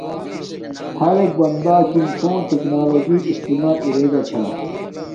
ہر ایک بنداکن فون ٹکنالوجی استعمال ارے چھاہ